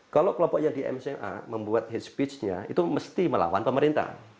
kalau kelompok yang di mca membuat hate speech nya itu mesti melawan pemerintah